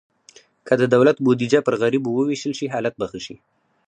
که د دولت بودیجه پر غریبو ووېشل شي، حالت به ښه شي.